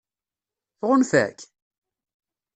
Tɣunfa-k?